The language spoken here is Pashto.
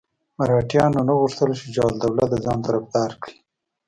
مرهټیانو غوښتل شجاع الدوله د ځان طرفدار کړي.